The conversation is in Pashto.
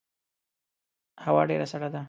هوا ډیره سړه ده